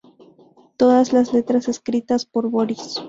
Todas las letras escritas por Boris.